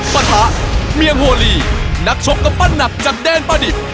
ปะทะเมียงโฮลีนักชกกำปั้นหนักจากแดนประดิษฐ์